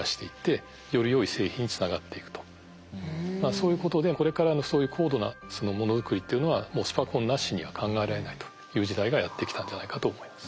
そういうことでこれからのそういう高度なものづくりっていうのはもうスパコンなしには考えられないという時代がやってきたんじゃないかと思います。